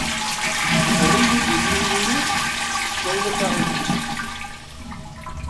Err-iyi-d imru-inu, ma ulac aɣilif.